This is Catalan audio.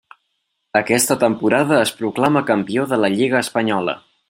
Aquesta temporada es proclama campió de la lliga espanyola.